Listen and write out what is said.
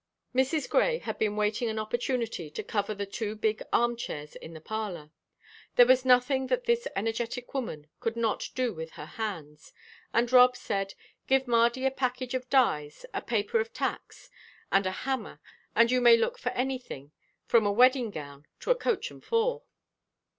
Mrs. Grey had been waiting an opportunity to cover the two big arm chairs in the parlor. There was nothing that this energetic woman could not do with her hands, and Rob said: "Give Mardy a package of dyes, a paper of tacks, and a hammer, and you may look for anything, from a wedding gown to a coach and four."